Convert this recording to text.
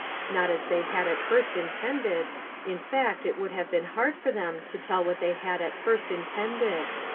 Not as they had at first intended. In fact, it would have been hard for them to tell what they had at first intended.